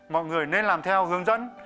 mọi người nên làm theo hướng dẫn